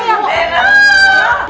kau mini anak raff